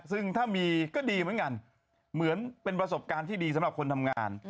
คือถ้ามีก็ดีเหมือนกันเหมือนเป็นประสบการณ์ที่ดีทำโครงการ